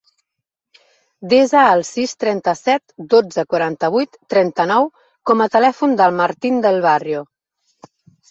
Desa el sis, trenta-set, dotze, quaranta-vuit, trenta-nou com a telèfon del Martín Del Barrio.